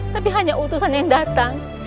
tapi hanya utusan yang datang